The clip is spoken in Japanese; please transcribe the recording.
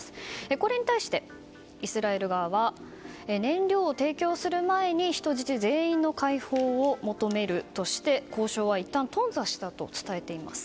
これに対して、イスラエル側は燃料を提供する前に人質全員の解放を求めるとして交渉はいったん頓挫したと伝えています。